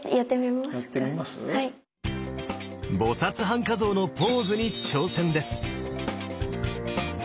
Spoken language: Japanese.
菩半跏像のポーズに挑戦です！